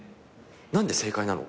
何で正解なの？